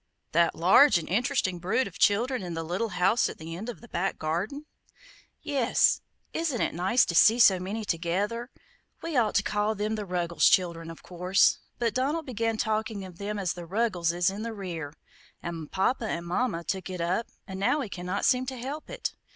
'" "That large and interesting brood of children in the little house at the end of the back garden?" "Yes; isn't it nice to see so many together? We ought to call them the Ruggles children, of course; but Donald began talking of them as the 'Ruggleses in the rear,' and Papa and Mama took it up, and now we cannot seem to help it.